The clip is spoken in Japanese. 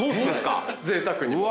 ぜいたくにも。